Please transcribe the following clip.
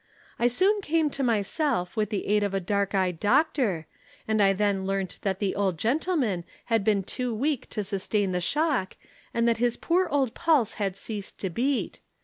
I soon came to myself with the aid of a dark eyed doctor, and I then learnt that the old gentleman had been too weak to sustain the shock and that his poor old pulse had ceased to beat.